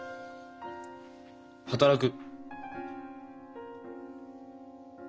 働く。